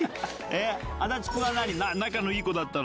足立くんは仲のいい子だったの？